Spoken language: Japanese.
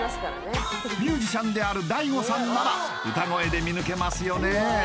ミュージシャンであるＤＡＩＧＯさんなら歌声で見抜けますよね？